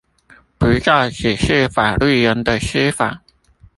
不再只是法律人的司法